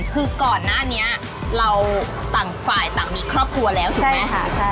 คือก่อนหน้านี้เราต่างฝ่ายต่างมีครอบครัวแล้วถูกไหม